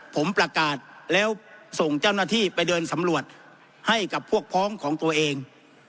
ผมประกาศแล้วส่งเจ้าหน้าที่ไปเดินสำรวจให้กับพวกพ้องของตัวเอง